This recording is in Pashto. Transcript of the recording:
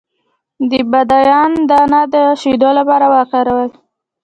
د بادیان دانه د شیدو لپاره وکاروئ